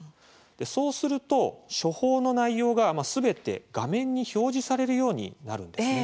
そうすると処方の内容がすべて画面に表示されるようになるんですね。